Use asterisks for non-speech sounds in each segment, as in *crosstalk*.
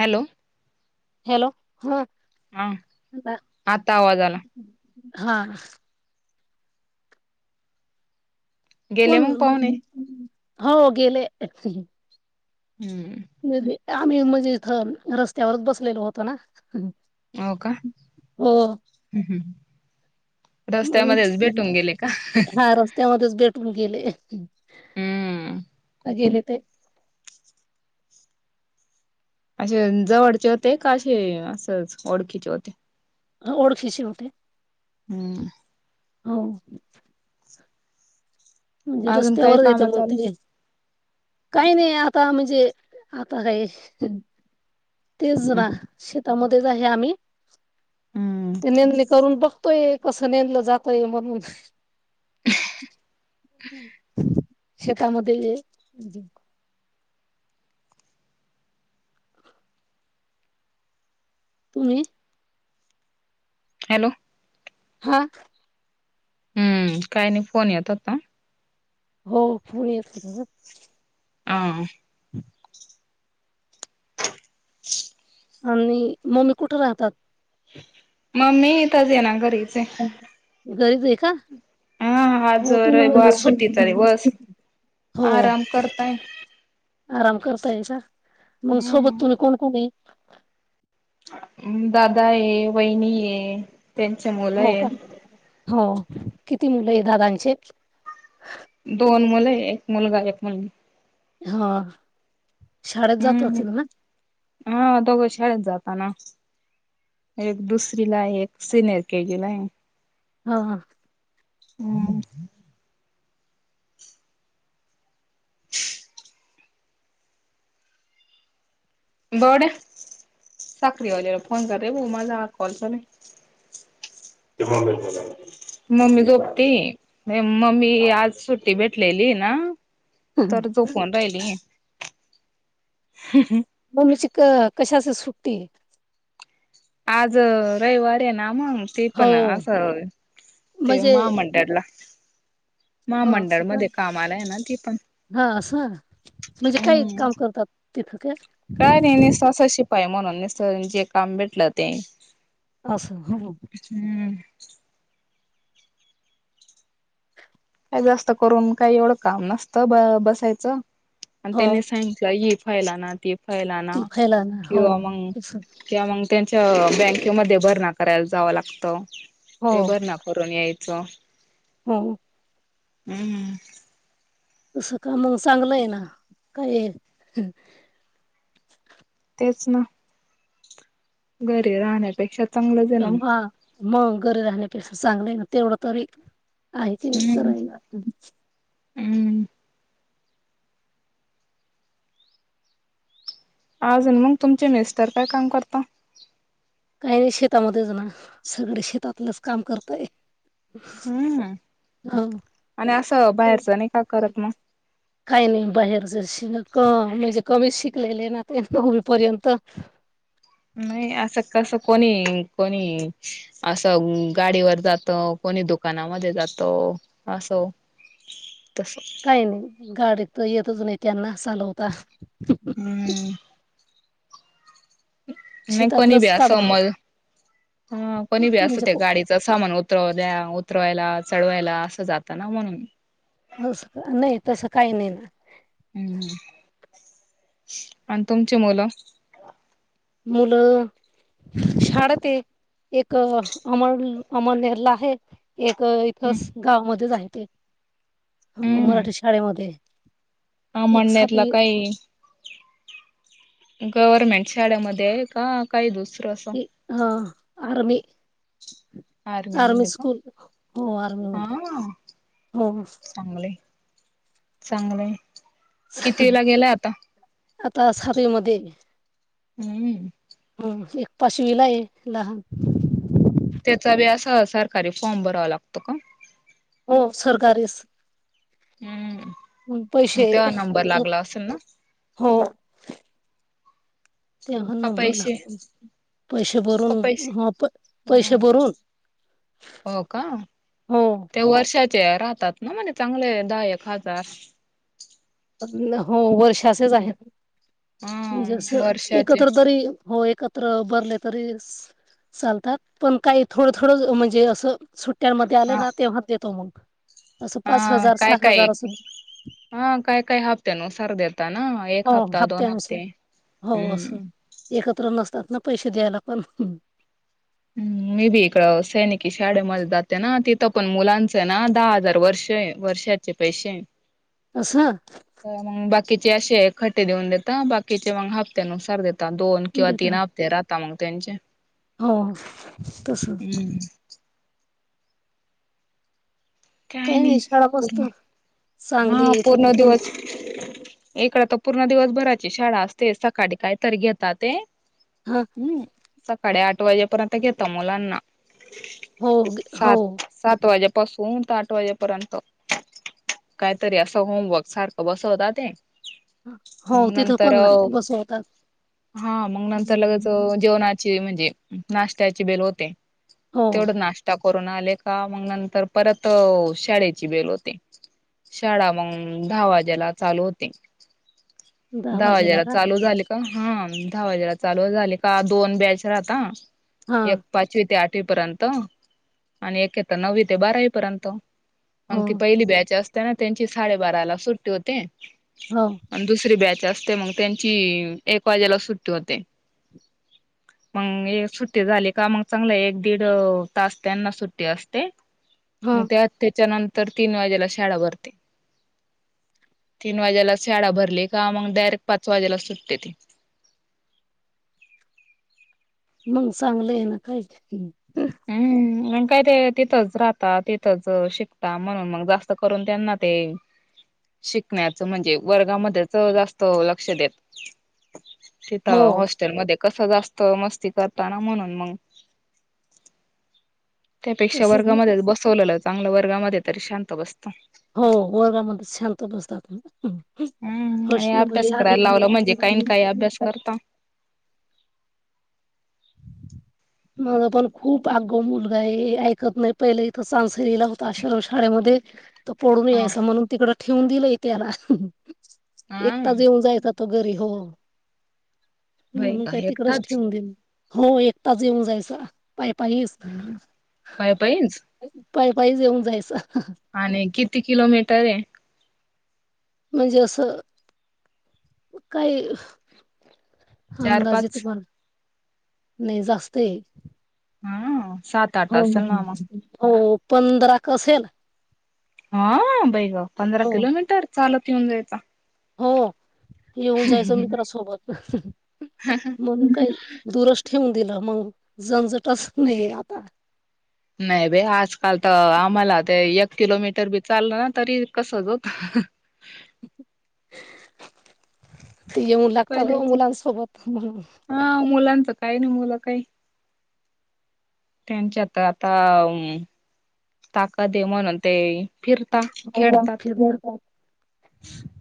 Hello. Hello ह हा आता आवाज आला हा. गेले मग कोण पाहुणे हो गेले. हम्म. आम्ही म्हणजे इथ रस्त्यावरच बसलेलो होतो ना. हो का हो ह ह. रस्त्यामध्येच भेटून गेले का. त्यामध्येच भेटून गेले. हम्म. गेले ते. अे जवळचे होते का असे असंच ओळखीचे होते. ओळ खिसे होठे. हम्म. हो. म्हणजे अजून काही रस्त्यावरच येते काम मग चालू ते. काही नाही आता म्हणजे आता काही. तेच ना शेतामध्येच आहे आम्ही. हम्म ते नेंदले करून बघतोय कसं नेंदलं जातय म्हणून शतामध्येध्ये. तुम्ही. हॅलो. हा. हम्म काही नाही फोन येत होता. हो पुणी येत. ह. ह आणि मम्मी कुठे राहतात? मम्मी तरच ये ना घरीचे. घरीच आहे का? हां हां आज हो तुम्ही म्हणजे रविवार सो सुट्टी चा दिवस हो आराम करताय आराम करतायका मग सोबत हम्म तुम्ही कोण कोणए दादा ए वहिनी ए. त्यांच्यामु हो का हो किती मुलं आहे दादांचे. दोन मुले एक मुलगा एक मुलगी. हा शाळेत जात हम्म. असेल ना? हा दोघं शाळेत जाताना. एक दुसरी ला आहे एक सिनियर के जी ला आहे. हा. हं गोड साकरीवाल्याला फोन कर रे माझा पर्सनलै *inaudible* मम्मी झोपती मम्मी आज सुट्टी भेटलेली ना,, तर तो कोदायली. हं हं *unintelligible* मम्मीची क कशास सुट्टी. आज रविवारेना म्हणून. ते हो पण असं ते म्हणजे माहामडला. महामंडळ मध्ये कामालाय ना. ती पण. हां असं. म्हणजे काय हम्म. काम करतात. तिथं त्या. काय नाही निस्त असं शिपाई म्हणून. निस्त जे काम भेटलं ते. अस हो. हम्म. काय जास्त करून काही एवढं काम नसतं. ब बसायचं. आणि हो त्यांनी सांगितलं ही फईल आना. ती फाईल आना. ती फैलान हो किंवा मग तसं किंवा मग त्यांच्या बँकेमध्ये भरना करायला जावं लागत. हो ते भरना करून यायचं. हो हो. हम्म. असं का? मंग चांगलंय ना. काये तेच ना. घरी राहण्यापेक्षा चांगलंच आहे ना मग हां मग. घरी राहण्यापेक्षा चांगलंय ना. तेवढं तरी आहे तीला हम्म करायला. *unintelligible* हम्म अजून मग, तुमचे मिस्टर काय काम करतात? काही शेतामध्येच ना. सगळे शेतातलंच काम करतय. हम्म. आणि असं बाहेरचं नाही का करत म? काही नाही बाहेरच. श म्हणजे कमी शिकलेले ना ते. नववी पर्यंत. नाही, असं कसं. कोणी कोणी असं गाडीवर जात. कोणी दुकानामध्ये जातो. असं ओ. तस. काही नाही. गाडी त येतचं नाही त्यांना. चालवता. हम्म. नाही. कोणी बी शेतातलंच अस काम म. कोणी बी अस म्हणजे त्या गाडीत. ते सामान उतरव द्या. उतरवायला. चढवायला. असं जातं ना म्हणून. असं नाही तसं काही नाही ना. हम्म हम्म. अण तुमचे मुलं. मुलं शाळते. एक अमर अमलनेरला आहे. एक इथस गावामध्येच आहे. ते हम्म मराठी शाळेमध्ये. एक अमळनेरला सातवी काही गव्हर्मेंट शाळेमध्ये का? काही दुसरंस. ह, आर्मी. आर्मी मध्ये का स्कूल हो आर्मी मध्ये. हो. चांगलयं चांगलयं. आता सातवीमध्ये. हम्म. हम्म. एक पाचवीलाय लहान. त्याचा बी असा, सरकारी फॉर्म भरावा लागतो का? हो सरकारीस. हम्म. हं मग पैसे. तेव्हा नंबर लागला असेल ना हो. तेव्हा का नंबर पैसे लागतो. पैसे का भरून. पैसे? ह पैसे भरून हो का? हो त्या वर्षात राहतात ना. म्हणे चांगले दायक हाजार. हो वर्षाचेच आहेत. हा म्हणजें वर्षाचे एकत्र तरी हो एकत. ्र बरले तरी चालतात पण काही थोडं थोडं म्हणजे असं. सुट्ट्यांमध्येध्ये आले हा ना तेव्हा देतो मग असं पाच हा हजार काय सहा काय हजार असं. हा काय काय हापते न सरदे येतता ना. हो एक हप्ता दोन हप्त्यानुसार हप्ते हो हम्म. असं एकत्र नसतात ना पैसे द्यायला पण मे बी इकडं सैनिकी शाळेमध्येध्ये जाते ना तिथं पण मुलांचं आहे ना दहा हजार वर्ष आहे. वर्षाचे पैसे असस मग बाकीचे असे खट्टे देऊन देता बाकीचे मग हप्त्यानुसार देत. दोन किंवा देत तीन हप्ते राहता मग त्यांचे हो तस. हम्म काय काही नाही शाळा मस्त पूर्ण हा चांगली आहे तिथे पूर्ण पण दिवस इकड तर पूर्ण दिवसभराची शाळा असते सकाळी कायतरी घेतात ते हम हम् सकाळी आठ वाजेपर्यंत घता मुलांना हो ग- हो सात सात स वाज्यापासून आठ वाजेपर्यंत काहीतरी असं होमवर्क सारखं बसवत ते हो मग तिथं नंतर पण ना बसवतात हा मग नंतर लगेच जेवणा म्हणजे नाशत्याची बेल होते हो तेवढ नाशता कोरोना आले का मग नंतर परत त शाळेची बेल होते शाळा मग दहा वाजेला चालू होते. दहा वाजेला चालू झाले. हा दहा वाजेला चालू झाली का दोन बॅच राहता हा एक पाचवी ते आठवी पर्यंत आणि एके तर नववी ते बारावी पर्यंत मग हो ती पहिली बॅच असताना त्यांची साडेबारा ला सुट्टी होते. हो आणि दुसरी बॅच असते मग त्यांची एक वाजेला सुट्टी होते. मग एक सुट्टी झाली का मग चांगलं एक दीड तास त्यांना सुट्टी असते. हा मग त्या हत्याच्या नंतर तीन वाजेला शाळा भरते. तीन वाज्याला शाळाा भरली का मग डायरेक्ट पाच वाजेला सुटते ती. मग चांगलं आहे ना काहीच. हम् म काय ते तिथंच राहता तिथंच शिकता म्हणून मग जास्त करून त्यांना ते शिकण्याच म्हणजे वर्गामध्येच जास्त लक्ष देत. हो तिथं हॉस्टेलमध्येध्ये कसं जास्त मस्ती करताना म्हणून मग. त्यापेक्षा तसच ना वर्गामध्ये बसवलेलं चांगलं वर्गामध्ये तरी शांत बसतं. हो. वर्गामध्ये शांत बसतात. आपु हम्म आणि होशोल अभ्यास या करायला लावला म्हणजे काही काही अभ्यास करता. माझ पण खूप आगगा मुलगा आहे. ऐकत नाही पहिलं इथं सांसरीला होता. आश्रम शाळेमध्ये. तर पडून हा यायच म्हणून तिकड ठेवून दिलंय त्याला एक हा तच येऊन जायच. त घरी हो बाई म्हणून का काही तिकडच एकटाच ठेवून देईल. हो एक तच येऊन जायचं पाय पायीस. पाय पायीच पाय पाय येऊन जायच. आणि किती किलोमीटर आहे. म्हणजे. असं काही. चार अंदाज येत. पाच पण नाही जास्त आहे. हा. सात आठ हो. असेल ना मग हो. पंधरा कसेल. हा बै ग. पंधरा हो किलोमीटर चालत येऊन जायचा. हो. येऊन जायचं. मित्रासोबत म्हणून काय दुरस ठेवून दिलं. मग जंजटच नाही. आता नाही बाई आजकाल तर आम्हाला ते एक किलोमीटर बी चाललं ना तरी कसच होत. ते येऊन लागता ग पहिल्याच मुलांन सोबत म्हनून हा मुलांचं काही नाही मुलं काही त्यांच्यात आता ताकद आहे. म्हणून ते फितता, खेडतात. *unintelligible*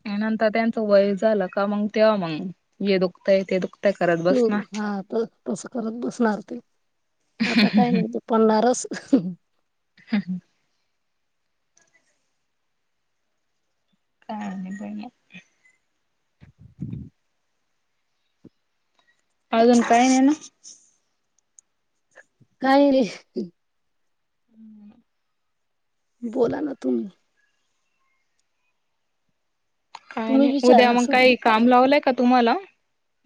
आणि नंतर त्यांचं वय झालं का मग तेव्हा मग ये दुखतंय, ते दुखत *unintelligible* तस करत बसणार ते. आता काय नाही ते पडणारच. हा ह. काय आणि काय मग? अजून काय नाही ना. काय *inaudible* बोला ना तुम्ही. काय तुम्ही नाही. उद्या विचारा मग सध्या काय काम लावलंय का तुम्हाला?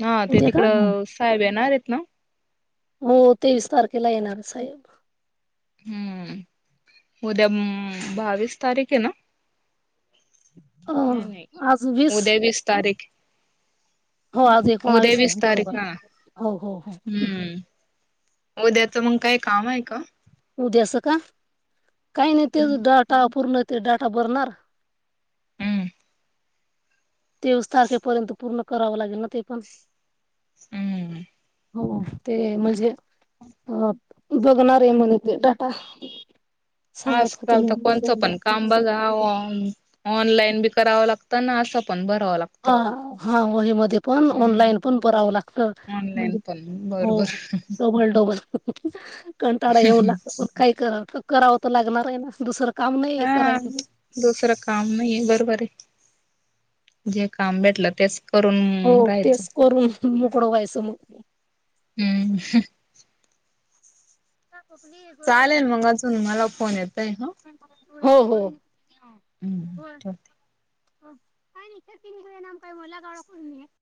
हा ते उद्या का तिकडं साहेब येणार आहेत ना? हो. तेवीस तारखेला येणार साहेब. हम्म. उद्या म बावीस तारीख ये ना? अ नाही-नाही. उद्या वीस तारीख हो आज उद्या एकोणावीस आहे विस तारीख बरोबर आ. हो हो हो हम. उद्या काय काम आहे का? उद्या च का? काइ नाई ते हम्म डाटा पूर्ण ते डाटा भरणार. हम्म तेवीस तारखेपर्यंत पूर्ण करावं लागेल ना ते पण हम्म. हो. ते म्हणजे अ बघणारे म्हण ते डाटा सांगत होते आजकाल मी तर कोणचं पण काम बघा ऑनलाईन बी करावं लागतं आणि असं पण भरावं लागत. हा हा वही मध्ये पण ऑनलाईन पण परावं लागत. ऑनलाईन म्हणजे पण बरोबर हो. डबल डबल कंटाडा येऊन लागतो पण काय करावं-करावं तर लागणार आहे ना दुसरं काम नाही आहे हा करायला दुसरं काम नाहीे बरोबर आहे. जे काम भेटलं तेच करून हो राहायचं तेच करू मोकडं व्हायचं मग हम्. *unintelligible* चालेल मग अजून मला फोन येतोय ह. हो हो. हम्म ठेवते. *unintelligible*